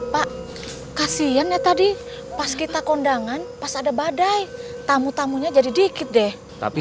pak kasian ya tadi pas kita kondangan pas ada badai tamu tamunya jadi dikit deh